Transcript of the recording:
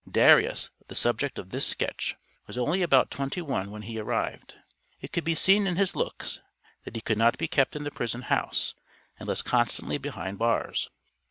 Darius, the subject of this sketch, was only about twenty one when he arrived. It could be seen in his looks that he could not be kept in the prison house unless constantly behind bars.